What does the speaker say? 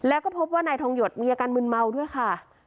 แล้วก็พบว่านายทองหยดมีอาการมืนเมาด้วยค่ะ